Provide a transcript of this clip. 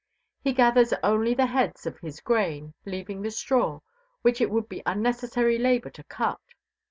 He gathers only the heads of his grain, leaving the straw, which it would be unnecessary labor to cut.